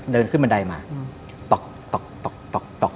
เดินขึ้นบันไดมาต๊อกต๊อกต๊อกต๊อก